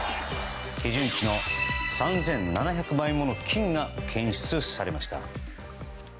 基準値の３７００倍もの菌が検出されました。